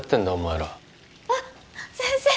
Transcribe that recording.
らあっ先生